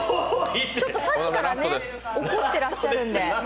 さっきから怒ってらっしゃるんで。